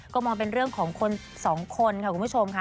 ก็มองเป็นเรื่องของคนสองคนค่ะคุณผู้ชมค่ะ